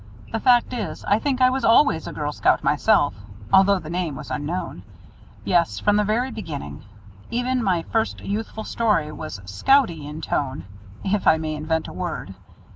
The fact is, I think I was always a Girl Scout myself (although the name was unknown); yes, from the very beginning. Even my first youthful story was "scouty" in tone, if I may invent a word.